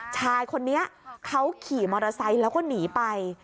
ชายคนนี้เขาขี่มอเตอร์ไซค์แล้วก็หนีไป